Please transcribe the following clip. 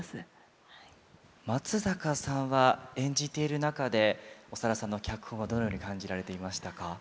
松坂さんは演じている中で長田さんの脚本をどのように感じられていましたか？